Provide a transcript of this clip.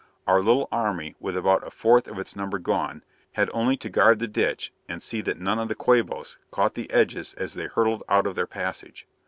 Our little army with about a fourth of its number gone had only to guard the ditch and see that none of the Quabos caught the edges as they hurtled out of their passage.